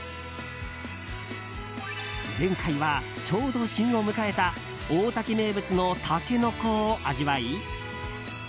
前回は、ちょうど旬を迎えた大多喜名物のタケノコを味わい。